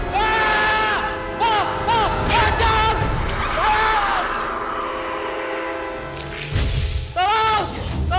kau bisa ke sana saja